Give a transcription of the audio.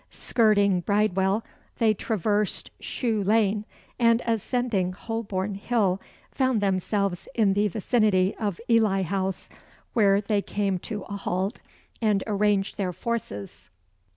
Skirting Bridewell, they traversed Shoe Lane, and ascending Holborn Hill, found themselves in the vicinity of Ely House, where they came to a halt, and arranged their forces.